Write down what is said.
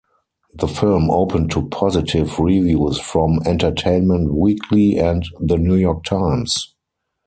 The film opened to positive reviews from "Entertainment Weekly" and "The New York Times".